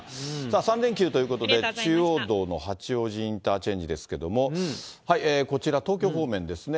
３連休ということで、中央道の八王子インターチェンジですけれども、こちら、東京方面ですね。